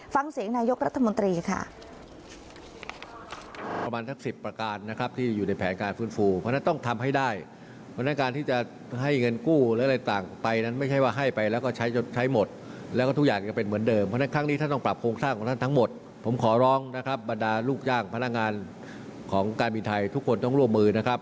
ฟังเสียงนายกรัฐมนตรีค่ะ